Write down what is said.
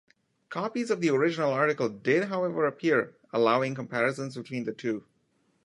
Copies of the original article did however appear, allowing comparisons between the two.